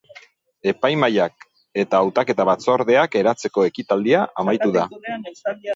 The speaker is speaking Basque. Epaimahaiak eta Hautaketa Batzordeak eratzeko ekitaldia amaitu da.